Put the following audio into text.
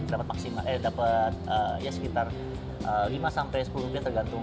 dapat maksimal eh dapat ya sekitar lima sampai sepuluh menit tergantung